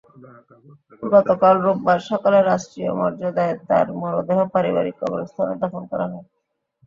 গতকাল রোববার সকালে রাষ্ট্রীয় মর্যাদায় তাঁর মরদেহ পারিবারিক কবরস্থানে দাফন করা হয়।